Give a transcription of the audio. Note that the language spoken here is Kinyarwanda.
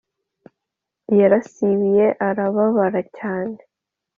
Yarasibiye arababara cyane